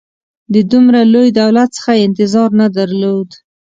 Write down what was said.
د دومره لوی دولت څخه یې انتظار نه درلود.